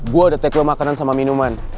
gue udah take away makanan sama minuman